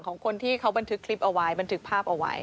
ของคนที่เขาบันทึกคลิปเอาไว้บันทึกภาพเอาไว้